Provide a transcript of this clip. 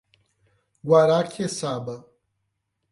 Guaraqueçaba